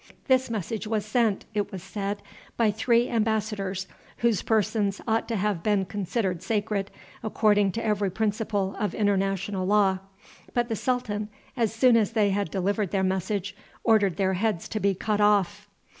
This message was sent, it was said, by three embassadors, whose persons ought to have been considered sacred, according to every principle of international law. But the sultan, as soon as they had delivered their message, ordered their heads to be cut off.